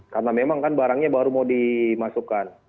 karena memang kan barangnya baru mau dimasukkan